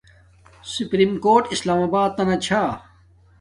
سیپرم کوٹ اسلام آباتنا چھا